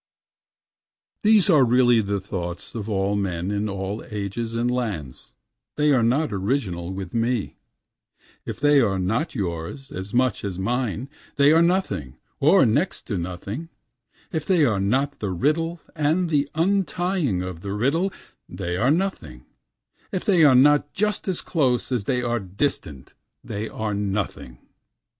17 These are really the thoughts of all men in all ages and lands, they are not original with me, If they are not yours as much as mine they are nothing, or next to nothing, If they are not the riddle and the untying of the riddle they are nothing, If they are not just as close as they are distant they are nothing.